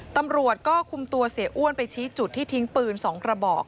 ตำรวจก็คุมตัวเสียอ้วนไปชี้จุดที่ทิ้งปืน๒กระบอก